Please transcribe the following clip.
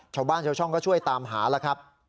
ชาวบ้านชาวช่องก็ช่วยตามหาแล้วครับ